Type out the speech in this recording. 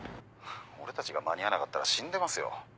俺たちが間に合わなかったら死んでますよ。